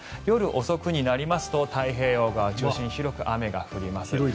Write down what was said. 夜遅くになりますと太平洋側を中心に広く雨が降ります。